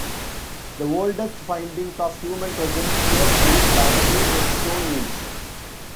The oldest findings of human presence here date back to the Stone Age.